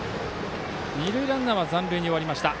二塁ランナーは残塁に終わりました。